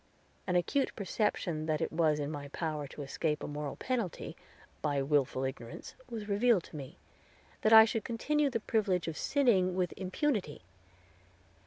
An acute perception that it was in my power to escape a moral penalty, by willful ignorance, was revealed to me, that I could continue the privilege of sinning with impunity.